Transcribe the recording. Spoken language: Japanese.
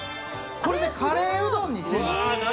これでカレーうどんにチェンジ。